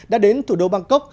đã đến thủ đô bangkok